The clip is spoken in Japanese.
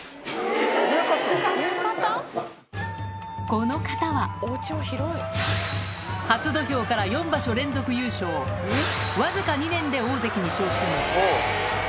この方は、初土俵から４場所連続優勝、僅か２年で大関に昇進。